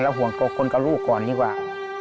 ห่วงตัวคนกับลูกก่อนดีกว่า